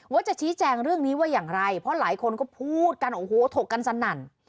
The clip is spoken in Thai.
ว่าจะชี้แจงเรื่องนี้ว่าอย่างไรเพราะหลายคนก็พูดกันโอ้โหถกกันสนั่น